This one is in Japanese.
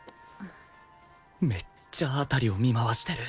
めっちゃ辺りを見回してる